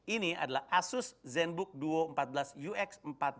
ini adalah asus zenbook duo empat belas ux empat ratus delapan puluh dua